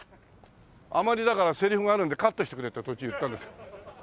あまりだからセリフがあるのでカットしてくれって途中言ったんです。